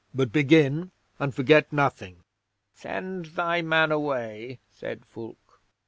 "But begin, and forget nothing." '"Send thy man away," said Fulke.